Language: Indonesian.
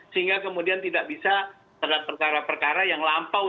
sehingga kemudian tidak bisa terhadap perkara perkara yang lampau